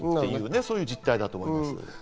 そういう事態だと思います。